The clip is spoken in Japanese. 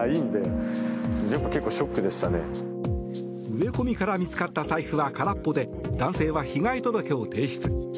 植え込みから見つかった財布は空っぽで、男性は被害届を提出。